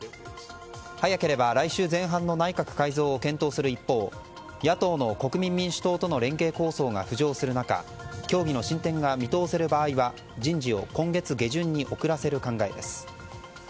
早ければ来週前半の内閣改造を検討する一方野党の国民民主党との連携構想が浮上する中協議の進展が見通せる場合は人事を今月下旬に遅らせる考えです。